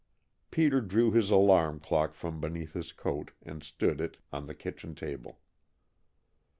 Peter drew his alarm clock from beneath his coat and stood it on the kitchen table.